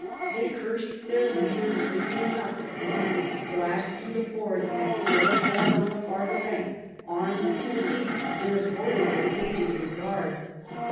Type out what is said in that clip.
They cursed their leader freely enough as he splashed through the ford and caracoled on the farther bank, armed to the teeth and escorted by pages and guards.